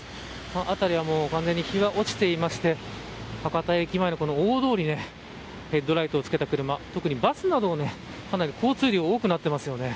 辺りは完全に日が落ちていまして博多駅前の、この大通りヘッドライトをつけた車特にバスなどかなり交通量が多くなっています。